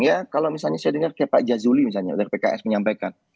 ya kalau misalnya saya dengar kayak pak jazuli misalnya dari pks menyampaikan